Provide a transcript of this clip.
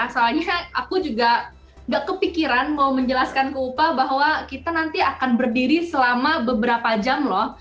soalnya aku juga gak kepikiran mau menjelaskan ke upah bahwa kita nanti akan berdiri selama beberapa jam loh